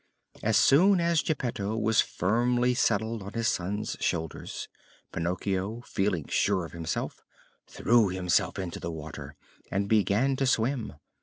As soon as Geppetto was firmly settled on his son's shoulders, Pinocchio, feeling sure of himself, threw himself into the water and began to swim.